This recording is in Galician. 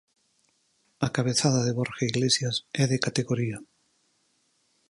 A cabezada de Borja Iglesias é de categoría.